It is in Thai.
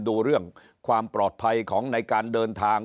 ดูเรื่องความปลอดภัยของในการเดินทาง